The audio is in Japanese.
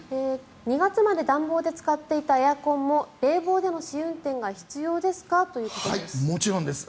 ２月まで暖房で使っていたエアコンも冷房での試運転がもちろんです。